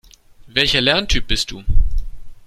Welcher Lerntyp bist du?